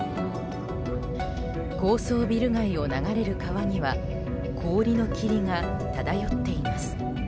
高層ビル街を流れる川には氷の霧が漂っています。